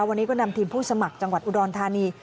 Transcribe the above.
วันนี้ก็นำทีมผู้สมัครจังหวัดอุดรธานี